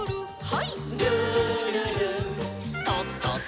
はい。